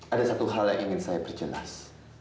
ada satu hal yang ingin saya perjelas